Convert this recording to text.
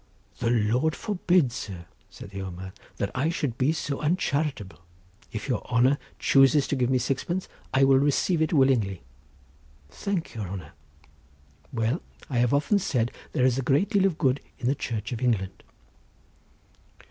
"The Lord forbid, sir," said the old man, "that I should be so uncharitable! If your honour chooses to give me sixpence, I will receive it willingly. Thank your honour! Well, I have often said there is a great deal of good in the Church of England."